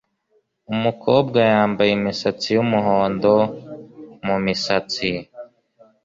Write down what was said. Umukobwa yambaye imisatsi yumuhondo mumisatsi